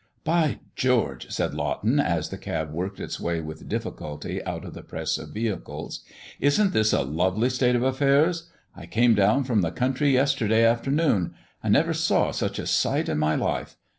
"By George!" said Lawton, as the cab worked its way with difficulty out of the press of vehicles, "isn't this a lovely state of affairs? I came down from the country yesterday afternoon. I never saw such a sight in my life.